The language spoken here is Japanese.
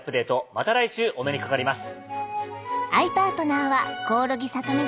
また来週お目にかかります。